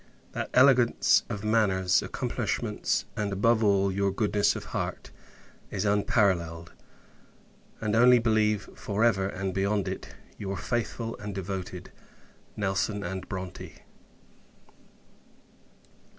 That elegance of manners; accomplishments; and, above all, your goodness of heart, is unparalleled: and only believe, for ever, and beyond it, your faithful and devoted NELSON & BRONTE.